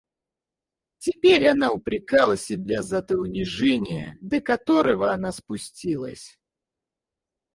Теперь она упрекала себя за то унижение, до которого она спустилась.